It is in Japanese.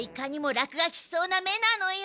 落書きしそうな目なのよ！